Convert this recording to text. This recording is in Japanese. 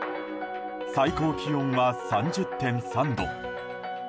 最高気温は３０．３度。